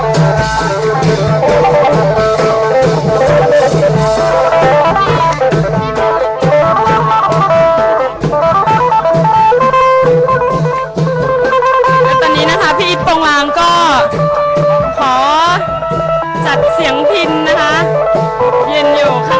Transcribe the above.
และตอนนี้นะคะพี่โปรงลางก็ขอจัดเสียงพินนะคะยืนอยู่ค่ะ